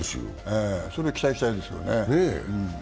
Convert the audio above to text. それ期待したいですけどね。